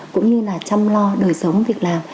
cũng như là chăm lo đời sống việc làm